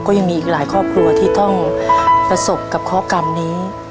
ก็ยังมีอีกหลายครอบครัวที่ต้องประสบกับข้อกรรมนี้